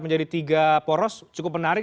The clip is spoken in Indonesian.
menjadi tiga poros cukup menarik